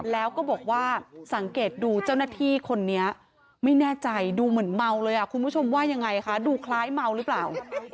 แล้วก็บอกว่าสังเกตดูเจ้าหน้าที่คนนี้ไม่แน่ใจดูเหมือนเมาเลยคุณผู้ชมว่ายังไงคะดูคล้ายเมาหรือเปล่า